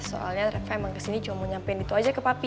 soalnya reva emang ke sini cuma mau nyampein itu aja ke papi